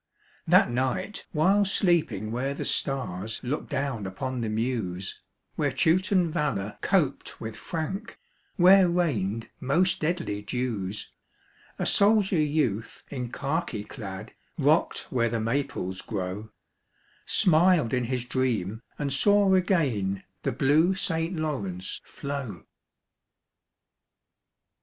That night while sleeping where the stars Look down upon the Meuse, Where Teuton valor coped with Frank, Where rained most deadly dews, A soldier youth in khaki clad, Rock'd where the Maples grow, Smiled in his dream and saw again The blue St. Lawrence flow.